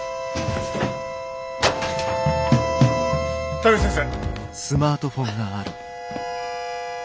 田口先生。